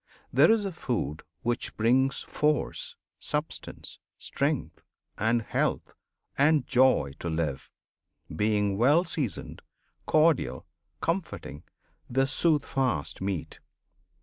there is a food which brings Force, substance, strength, and health, and joy to live, Being well seasoned, cordial, comforting, The "Soothfast" meat.